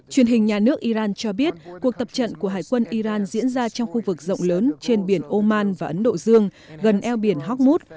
truyền hình nhà nước iran cho biết cuộc tập trận của hải quân iran diễn ra trong khu vực rộng lớn trên biển oman và ấn độ dương gần eo biển hockmut